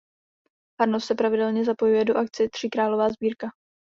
Farnost se pravidelně zapojuje do akce Tříkrálová sbírka.